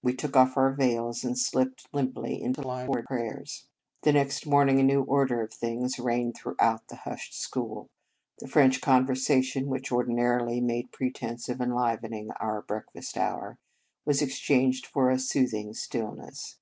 We took off our veils, and slipped limply into line for prayers. The next morning a new order of things reigned throughout the hushed school. The French conversation, which ordinarily made pretence of enlivening our breakfast hour, was exchanged for a soothing stillness.